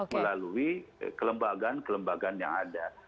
melalui kelembagaan kelembagaan yang ada